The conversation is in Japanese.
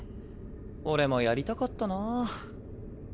俺も闘りたかったなぁ。